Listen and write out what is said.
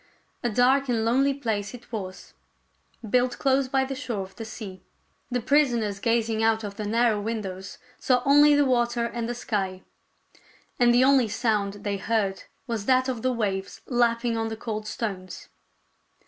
A dark and lonely place it was, built close by the shore of the sea. The prisoners gazing out of the narrow windows saw only the water and the sky; and the only sound they heard was that of the waves lapping on the cold stones.